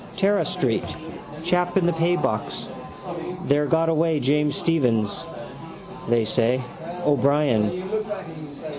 Tara street. Chap in the paybox there got away James Stephens, they say. O'Brien.